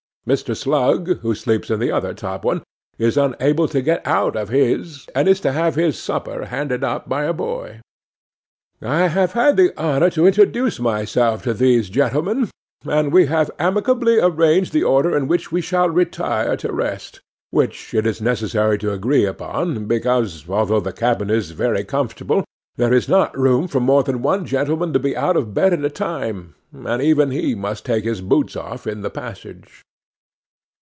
Mr. Slug, who sleeps in the other top one, is unable to get out of his, and is to have his supper handed up by a boy. I have had the honour to introduce myself to these gentlemen, and we have amicably arranged the order in which we shall retire to rest; which it is necessary to agree upon, because, although the cabin is very comfortable, there is not room for more than one gentleman to be out of bed at a time, and even he must take his boots off in the passage.